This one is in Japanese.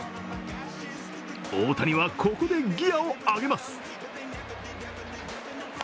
大谷は、ここでギアを上げます。